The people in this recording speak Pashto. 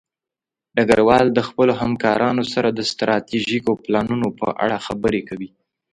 ډګروال د خپلو همکارانو سره د ستراتیژیکو پلانونو په اړه خبرې کوي.